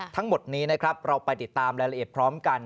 ทั้งหมดนี้นะครับเราไปติดตามรายละเอียดพร้อมกัน